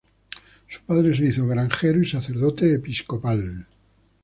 Su padre se hizo granjero y sacerdote episcopal.